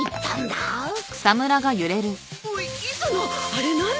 あれ何だ？